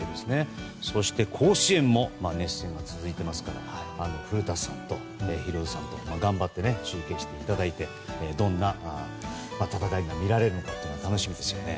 そして、甲子園も熱戦が続いていますから古田さんとヒロドさん頑張って中継していただいてどんな戦いが見られるのかが楽しみですよね。